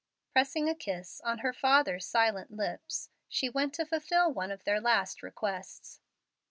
Pressing a kiss on her father's silent lips, she went to fulfil one of their last requests.